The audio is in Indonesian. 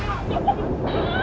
ayo pergi dari sana